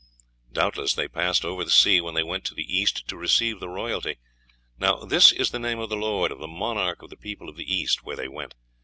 Doubtless they passed over the sea when they went to the East to receive the royalty. Now this is the name of the lord, of the monarch of the people of the East where they went.